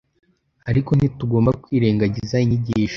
ariko ntitugomba kwirengagiza inyigisho